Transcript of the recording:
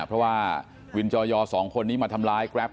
เพราะว่าวินจอยอ๒คนนี้มาทำร้ายแกรป